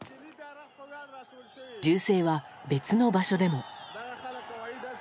銃声は別の場所でも。